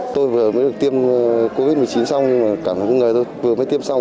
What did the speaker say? tôi vừa mới được tiêm covid một mươi chín xong nhưng cảm thấy người tôi vừa mới tiêm xong